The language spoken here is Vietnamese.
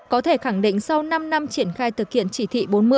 có thể khẳng định sau năm năm triển khai thực hiện chỉ thị bốn mươi